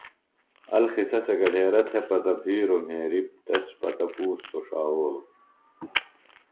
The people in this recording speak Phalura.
القصہ سےۡ گھڈیرہ تھےۡ پتہ بھیروۡ مھیریۡ تس پتہ پُوستوۡ ݜاوولوۡ